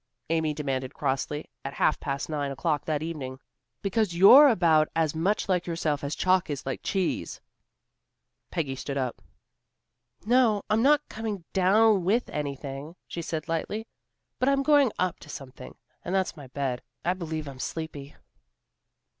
Amy demanded crossly, at half past nine o'clock that evening. "Because you're about as much like yourself as chalk is like cheese." Peggy stood up. "No, I'm not coming down with anything," she said lightly, "but I'm going up to something, and that's my bed. I believe I'm sleepy."